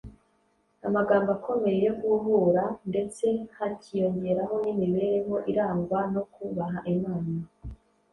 amagambo akomeye yo guhugura ndetse hakiyongeraho n’imibereho irangwa no kubaha Imana,